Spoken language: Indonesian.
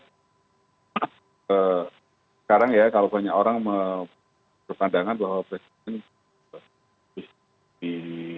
sekarang ya kalau banyak orang berpandangan bahwa presiden bisa di